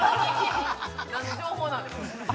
◆何の情報なんですか。